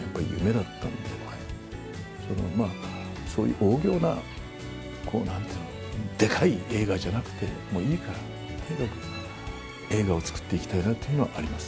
だからまあ、そういう王道な、なんて言うんだろう、でかい映画じゃなくてもいいから、とにかく映画を作っていきたいなっていうのはあります。